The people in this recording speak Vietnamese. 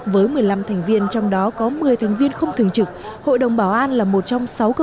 với một mươi năm thành viên trong đó có một mươi thành viên không thường trực hội đồng bảo an là một trong sáu cơ